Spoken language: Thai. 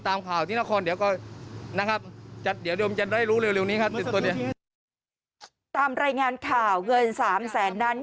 ตามรายงานข่าวเงินสามแสนนั้น